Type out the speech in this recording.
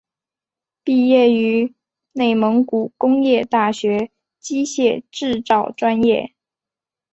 毕业于内蒙古工业大学机械制造专业。